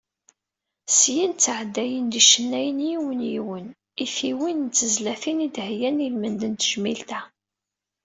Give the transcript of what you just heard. Syin, ttɛeddayen-d yicennayen yiwen yiwen i tiwin n tezlatin i d-heyyan ilmend n tejmilt-a.